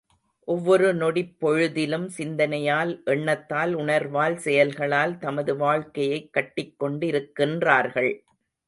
ஒவ்வொரு நொடிப் பொழுதிலும் சிந்தனையால், எண்ணத்தால், உணர்வால், செயல்களால் தமது வாழ்க்கையைக் கட்டிக் கொண்டிருக்கின்றார்கள்.